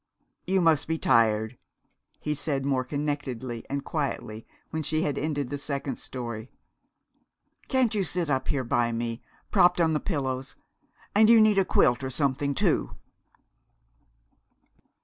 "You must be tired," he said more connectedly and quietly when she had ended the second story. "Can't you sit up here by me, propped on the pillows? And you need a quilt or something, too."